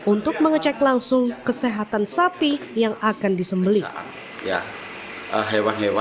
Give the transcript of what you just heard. untuk mengecek langsung kesehatan sapi yang akan disembeli